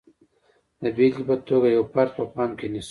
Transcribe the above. د بېلګې په توګه یو فرد په پام کې نیسو.